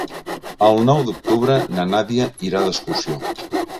El nou d'octubre na Nàdia irà d'excursió.